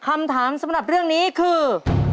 คำถามสำหรับเรื่องนี้คือ